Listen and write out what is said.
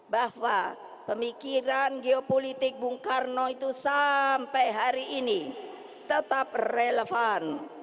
bahwa pemikiran geopolitik bung karno itu sampai hari ini tetap relevan